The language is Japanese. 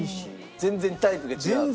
全然タイプが違う。